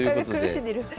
苦しんでる。